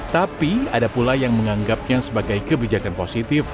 tapi ada pula yang menganggapnya sebagai kebijakan positif